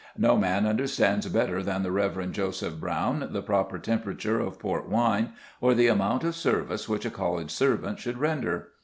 No man understands better than the Reverend Joseph Brown the proper temperature of port wine, or the amount of service which a college servant should render.